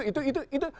itu itu itu